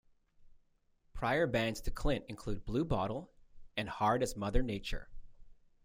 Prior bands to Clint include "Blue Bottle" and "Hard As Mother Nature".